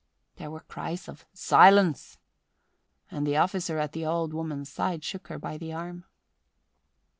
There were cries of "Silence!" And the officer at the old woman's side shook her by the arm.